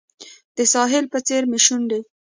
د ساحل په څیر مې شونډې